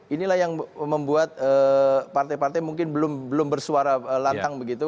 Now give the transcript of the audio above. inilah yang membuat partai partai mungkin belum bersuara lantang begitu